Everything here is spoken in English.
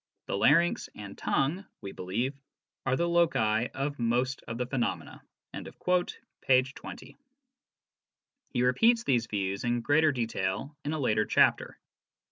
The larynx and tongue, we believe, are the loci of most of the phenomena " (p. 20). He repeats these views in greater detail in a later chapter.